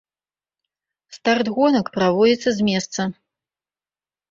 Старт гонак праводзіцца з месца.